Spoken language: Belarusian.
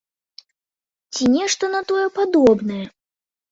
Ці нешта на тое падобнае.